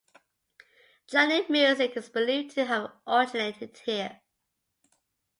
Chutney music is believed to have originated here.